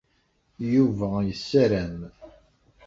Yuba yessaram.